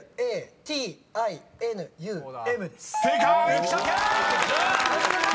浮所君！